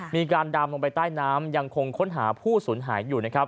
มีการดำลงไปใต้น้ำยังคงค้นหาผู้สูญหายอยู่นะครับ